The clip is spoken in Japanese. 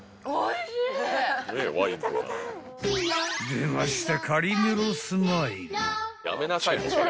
［出ました］